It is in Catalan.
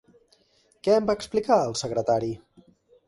Què en va explicar el Secretari?